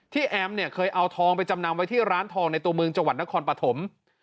แอมเนี่ยเคยเอาทองไปจำนำไว้ที่ร้านทองในตัวเมืองจังหวัดนครปฐม